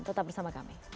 tetap bersama kami